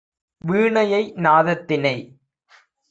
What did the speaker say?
வீணையை நாதத்தினை!